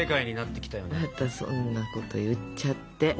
またそんなこと言っちゃって。